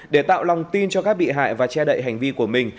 để tạo lòng tin cho các bị hại và che đậy hành vi của mình